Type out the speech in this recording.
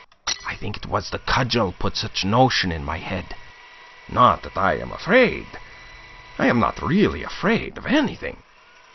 I think it was the cudgel put such notion in my head. Not that I am afraid. I am not really afraid of anything.